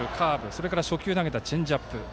それから初球に投げたチェンジアップ。